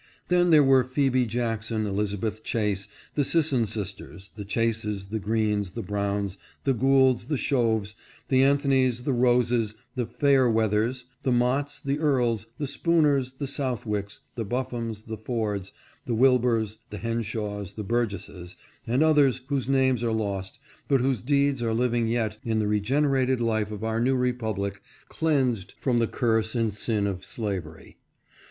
Then there were Phebe Jack son, Elizabeth Chace, the Sisson sisters, the Chases, the Greenes, the Browns, the Goolds, the Shoves, the Antho nys, the Roses, the Fay er weathers, the Motts, the Earles, the Spooners, the Southwicks, the Buffums, the Fords, the Wilburs, the Henshaws, the Burgesses, and others whose names are lost, but whose deeds are living yet in the re generated life of our new republic cleansed from the curse and sin of slavery.